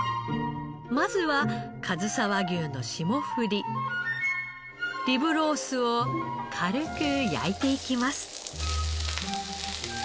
まずはかずさ和牛の霜降りリブロースを軽く焼いていきます。